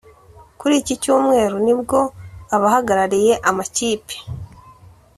Kuri iki Cyumweru nibwo abahagarariye amakipe